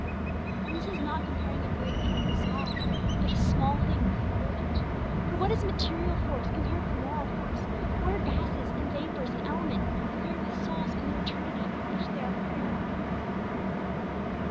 And this is not comparing a great thing with a small, but a small thing with a great. For what is material force compared with moral force? what are gases, and vapours, and elements, compared with souls and the eternity for which they are preparing?